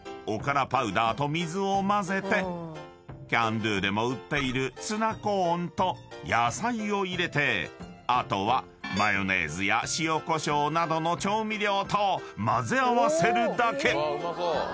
［おからパウダーと水を混ぜてキャンドゥでも売っているツナコーンと野菜を入れてあとはマヨネーズや塩こしょうなどの調味料と混ぜ合わせるだけ］